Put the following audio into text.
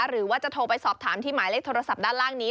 หรือว่าจะโทรไปสอบถามที่หมายเลขโทรศัพท์ด้านล่างนี้